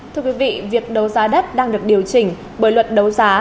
thưa quý vị việc đấu giá đất đang được điều chỉnh bởi luật đấu giá